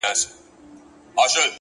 د حقیقت غږ ورو خو پیاوړی وي.!